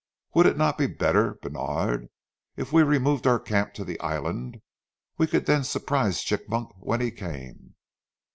"Would it not be better, Bènard, if we removed our camp to the island? We could then surprise Chigmok when he came."